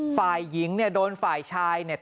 ฝ่ายหญิงเนี่ยโดนฝ่ายชายเนี่ย